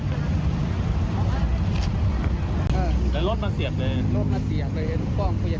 เดี๋ยวกระเด็นไปไกลเลยนะ